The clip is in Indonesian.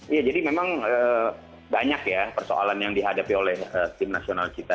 iya jadi memang banyak ya persoalan yang dihadapi oleh tim nasional kita